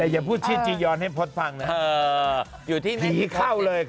แต่อย่าพูดชีวิตจริยณให้พฏฟังเนี่ย